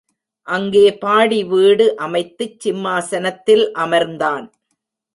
அங்கே பாடி வீடு அமைத்துச் சிம்மாசனத்தில் அமர்ந்தான்.